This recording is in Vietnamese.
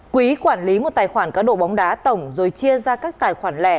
quý quản lý một tài khoản cá độ bóng đá tổng rồi chia ra các tài khoản lẻ